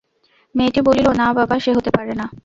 মেয়েটি বলিল, না বাবা, সে হতে পারে না।